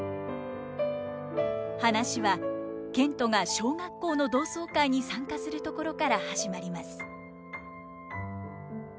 話は憲人が小学校の同窓会に参加するところから始まります。